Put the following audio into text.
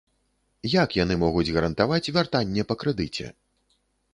Як яны могуць гарантаваць вяртанне па крэдыце?